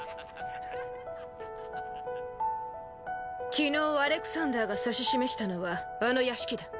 昨日アレクサンダーが指し示したのはあの屋敷だ。